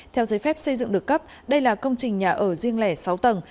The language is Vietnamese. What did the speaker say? theo giới phép xây dựng được cấp đây là công trình nhà ở riêng lẻ sáu tầng